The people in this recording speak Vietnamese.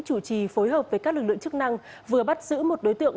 chủ trì phối hợp với các lực lượng chức năng vừa bắt giữ một đối tượng